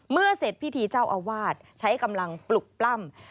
เสร็จพิธีเจ้าอาวาสใช้กำลังปลุกปล้ำ